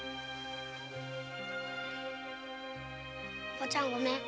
おばちゃんごめん。